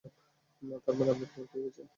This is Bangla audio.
তারমানে আপনি খবর পেয়ে গেছেন?